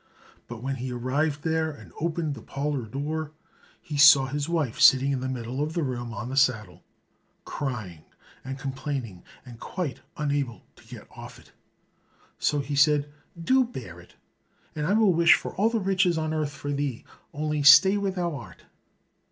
But when he arrived there and opened the parlour door, he saw his wife sitting in the middle of the room on the saddle, crying and complaining, and quite unable to get off it. So he said, "Do bear it, and I will wish for all the riches on earth for thee, only stay where thou art."